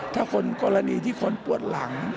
ถ้าคนกรณีที่คนปวดหลัง